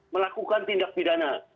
melakukan tindak pidana